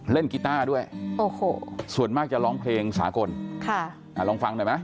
เล่นกีตาร์ด้วยส่วนมากจะร้องเพลงสากลลองฟังด้วยไหม